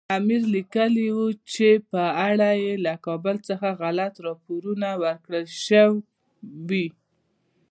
امیر لیکلي وو چې په اړه یې له کابل څخه غلط راپورونه ورکړل شوي.